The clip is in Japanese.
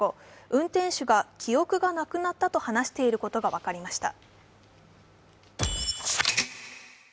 運転手が記憶がなくなったと話していることが分かりました。